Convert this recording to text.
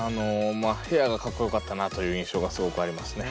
部屋がかっこよかったなという印象がすごくありますね。